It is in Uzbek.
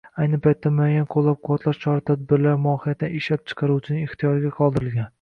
Ayni paytda muayyan qo‘llab-quvvatlash chora-tadbirlari mohiyatan ishlab chiqaruvchining ixtiyoriga qoldirilgan.